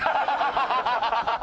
アハハハ！